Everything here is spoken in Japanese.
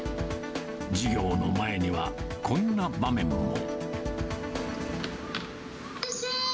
授業の前にはこんな場面も。